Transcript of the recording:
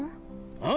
ああ！